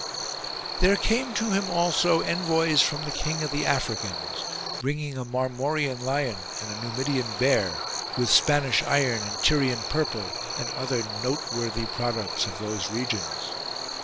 9. There came to him also envoys from the King of the Africans, bringing a Marmorian lion and a Numidian bear, with, Spanish iron and Tyrian 121 FOREIGN RELATIONS purple, and other noteworthy products of those regions.